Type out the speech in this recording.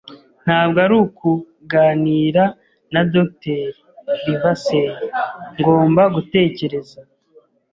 ntabwo ari ukuganira na Dr. Livesey, ngomba gutekereza. ”